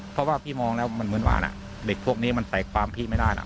เพราะว่าพี่มองแล้วมันเหมือนหวานเด็กพวกนี้มันใส่ความพี่ไม่ได้หรอก